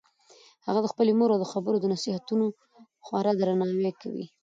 هغه د خپلې مور د خبرو او نصیحتونو خورا درناوی کوي